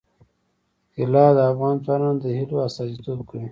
طلا د افغان ځوانانو د هیلو استازیتوب کوي.